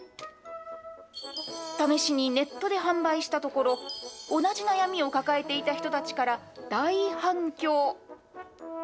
試しにネットで販売したところ、同じ悩みを抱えていた人たちから大反響。